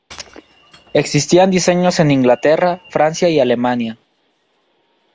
Existían diseños en Inglaterra, Francia y Alemania.